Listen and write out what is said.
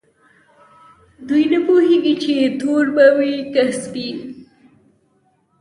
دوی نه پوهیږي چې تور به وي که سپین.